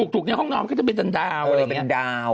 ทุกของมันจะเป็นดาว